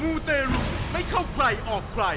ูเตรุไม่เข้าใครออกใคร